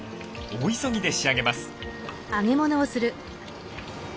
大急ぎで仕上げます。